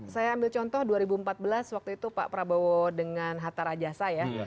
saya ambil contoh dua ribu empat belas waktu itu pak prabowo dengan hatta rajasa ya